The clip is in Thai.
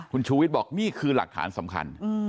คุณชูวิทย์บอกนี่คือหลักฐานสำคัญ